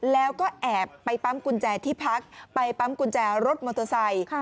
แล้วก็แอบไปปั๊มกุญแจที่พักไปปั๊มกุญแจรถมอเตอร์ไซค์